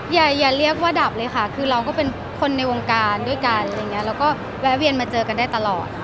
อย่าเรียกว่าดับเลยค่ะคือเราก็เป็นคนในวงการด้วยกันอะไรอย่างนี้เราก็แวะเวียนมาเจอกันได้ตลอด